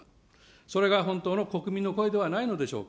それが本当の国民の声ではないでしょうか。